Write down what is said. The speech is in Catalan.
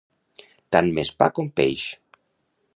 Tant m'és pa com peix.